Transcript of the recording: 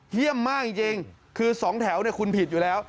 เหี้ยมมากจริงคือสองแถวเนี่ยคุณผิดอยู่แล้ว